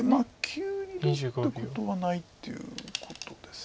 急にどうってことはないっていうことです。